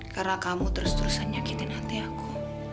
karena kamu terus terusan nyakitin hati aku